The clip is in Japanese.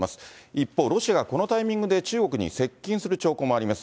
一方、ロシアがこのタイミングで中国に接近する兆候もあります。